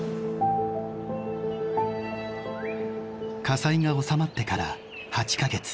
火災が収まってから８か月